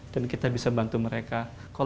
kita bisa bantu mereka